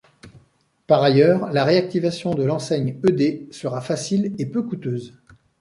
Par ailleurs, la réactivation de l'enseigne Ed sera facile et peu coûteuse.